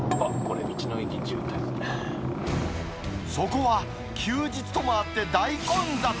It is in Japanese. あっ、そこは休日ともあって大混雑。